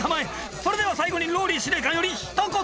それでは最後にＲＯＬＬＹ司令官よりひと言！